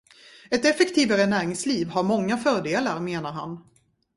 Ett effektivare näringsliv har många fördelar menar han.